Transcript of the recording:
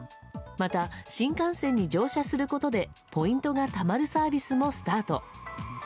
また、新幹線に乗車することでポイントがたまるサービスもスタート。